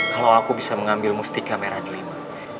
kalau aku bisa mengambil mustika merah delima